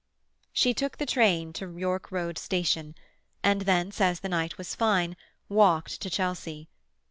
She took train to York Road Station, and thence, as the night was fine, walked to Chelsea.